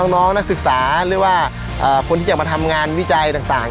น้องนักศึกษาเรียกว่าคนที่จะมาทำงานวิจัยต่าง